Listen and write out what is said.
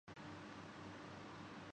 اس بحث کا ایک پہلو اور بھی ہے۔